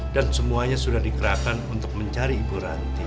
dan semuanya sudah dikerahkan untuk mencari ibu rantian